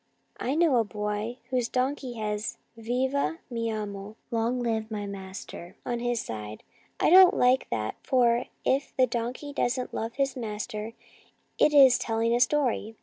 I know a boy whose donkey has £ Viva mi Amo' 1 on his side. 1 Long live my master. To the Country 95 I don't like that, for if the donkey doesn't love his master, it is telling a story."